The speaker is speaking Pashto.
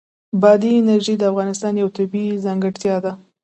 بادي انرژي د افغانستان یوه طبیعي ځانګړتیا ده.